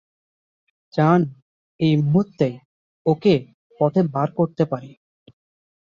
জান এই মুহূর্তেই ওকে পথে বার করতে পারি?